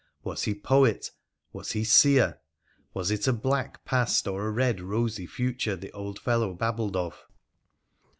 Was he poet ? Was he seer ? Was it a black past or a red, rosy future the old fellow babbled of